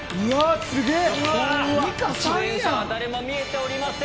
誰も見えておりません。